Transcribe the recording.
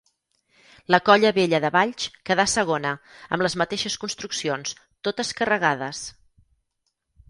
La Colla Vella de Valls quedà segona, amb les mateixes construccions, totes carregades.